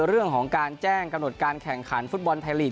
เรื่องของการแจ้งกำหนดการแข่งขันฟุตบอลไทยลีก